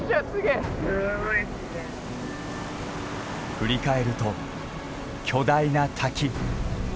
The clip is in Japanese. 振り返ると巨大な滝。